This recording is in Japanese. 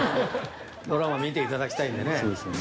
ドラマ見ていただきたいんでね。